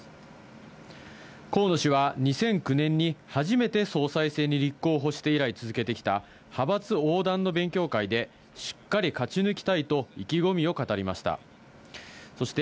河野氏は２００９年に、初めて総裁選に立候補して以来、続けてきた派閥横断の勉強会で、しっかり勝ち抜きたいと意気込みを語りました。